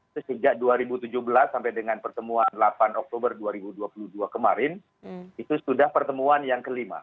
sejak dua ribu tujuh belas sampai dengan pertemuan delapan oktober dua ribu dua puluh dua kemarin itu sudah pertemuan yang kelima